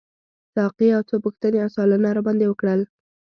ساقي یو څو پوښتنې او سوالونه راباندي وکړل.